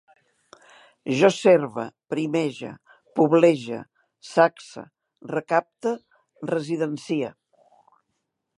Jo serve, primege, poblege, sacse, recapte, residencie